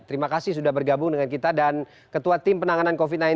terima kasih sudah bergabung dengan kita dan ketua tim penanganan covid sembilan belas